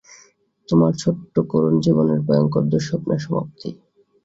তোমার ছোট্ট করুণ জীবনের ভয়ঙ্কর দুঃস্বপ্নের সমাপ্তি।